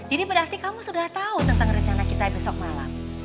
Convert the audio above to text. jadi berarti kamu sudah tahu tentang rencana kita besok malam